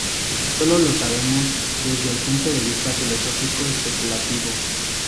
Solo lo sabemos desde el punto de vista filosófico, especulativo.